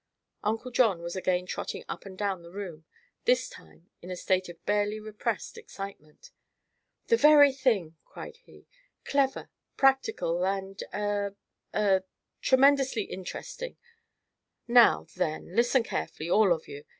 Uncle John was again trotting up and down the room, this time in a state of barely repressed excitement. "The very thing!" he cried. "Clever, practical, and eh eh tremendously interesting. Now, then, listen carefully all of you!